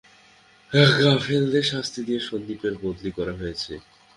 গাফেলদের শাস্তি দিয়ে সন্দীপে বদলি করা হয়েছে।